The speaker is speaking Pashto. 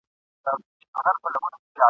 په خوب په ویښه به دریادېږم !.